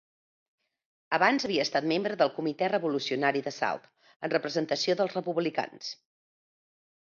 Abans havia estat membre del comitè revolucionari de Salt, en representació dels republicans.